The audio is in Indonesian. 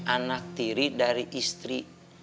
anak tiri dari istri